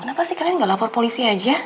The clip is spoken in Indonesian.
kenapa sih kalian nggak lapor polisi aja